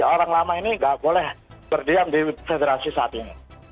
orang lama ini gak boleh berdiam di federasi saat ini